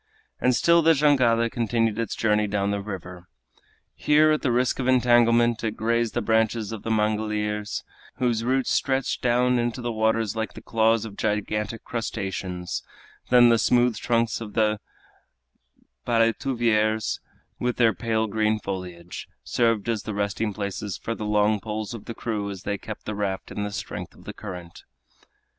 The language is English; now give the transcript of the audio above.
And still the jangada continued its journey down the river. Here, at the risk of entanglement, it grazed the branches of the mangliers, whose roots stretched down into the waters like the claws of gigantic crustaceans; then the smooth trunks of the paletuviers, with their pale green foliage, served as the resting places for the long poles of the crew as they kept the raft in the strength of the current.